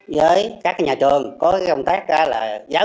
rồi di phạm pháp luật